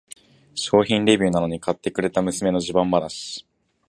商品レビューなのに買ってくれた娘の自慢話